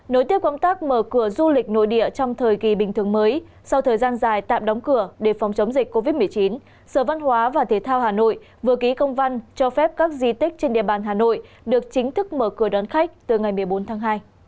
nối tiếp công tác mở cửa du lịch nội địa trong thời kỳ bình thường mới sau thời gian dài tạm đóng cửa để phòng chống dịch covid một mươi chín sở văn hóa và thế thao hà nội vừa ký công văn cho phép các di tích trên địa bàn hà nội được chính thức mở cửa đón khách từ ngày một mươi bốn tháng hai